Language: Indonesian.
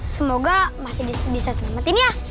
semoga masih bisa selamatin ya